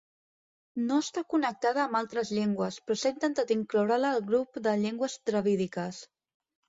No està connectada amb altres llengües, però s'ha intentat incloure-la al grup de llengües dravídiques.